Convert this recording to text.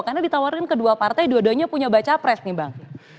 karena ditawarkan kedua partai dua duanya punya bakapres nih bang